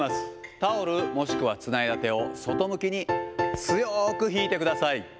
タオル、もしくはつないだ手を外向きに強く引いてください。